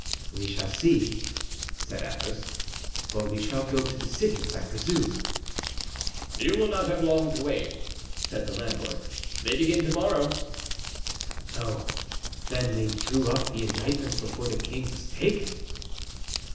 "We shall see," said Athos, "for we shall go to the sittings, I presume." "You will not have long to wait," said the landlord; "they begin to morrow." "So, then, they drew up the indictments before the king was taken?"